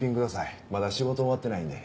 まだ仕事終わってないんで。